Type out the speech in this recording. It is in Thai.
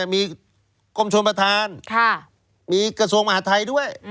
มีกรมชนประธานมีกระทรวงมหาทัยด้วย